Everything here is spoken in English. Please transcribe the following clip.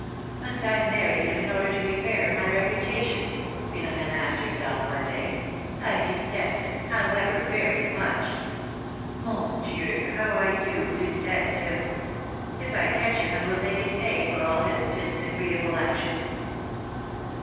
Must I marry him in order to repair my reputation ?" Philom^ne asked herself one day. '^1 detest him, how ever, very much. 3Ion Dieu ! how I do detest him ! If I catch him I will make him pay for all his disagreeable actions."